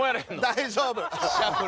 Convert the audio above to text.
大丈夫。